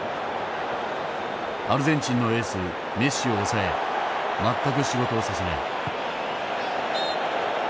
アルゼンチンのエースメッシを抑え全く仕事をさせない。